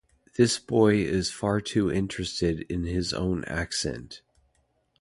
This boy is far too interested in his own accent.